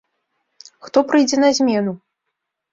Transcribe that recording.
Хто прыйдзе на змену?